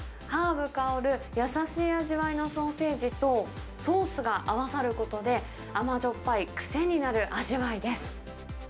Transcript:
ハーブ香る優しい味わいのソーセージと、ソースが合わさることで、甘じょっぱい、癖になる味わいです。